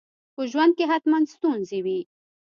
په ژوند کي حتماً ستونزي وي.